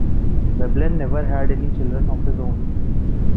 Veblen never had any children of his own.